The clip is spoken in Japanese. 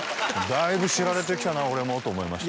「だいぶ知られてきたな俺も」と思いました。